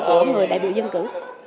của người đại biểu dân cử